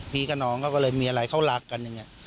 กับน้องเขาก็เลยมีอะไรเขารักกันอย่างนี้